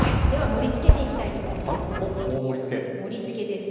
盛りつけです。